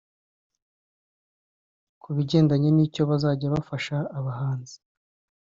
Ku bigendanye n’icyo bazajya bafasha abahanzi